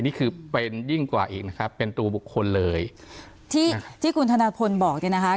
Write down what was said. นี่คือเป็นยิ่งกว่าอีกนะครับเป็นตัวบุคคลเลยที่ที่คุณธนพลบอกเนี่ยนะคะ